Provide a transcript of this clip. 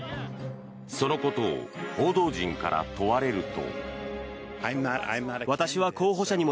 そのことを報道陣から問われると。